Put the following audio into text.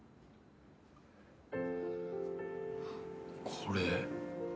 これ。